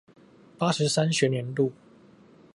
八十三學年度